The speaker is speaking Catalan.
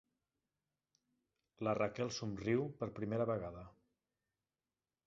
La Raquel somriu per primera vegada.